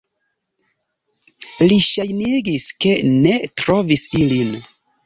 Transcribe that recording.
Li ŝajnigis, ke ne trovis ilin.